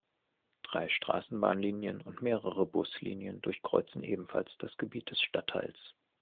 Drei Straßenbahnlinien und mehrere Buslinien durchkreuzen ebenfalls das Gebiet des Stadtteils.